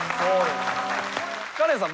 カレンさん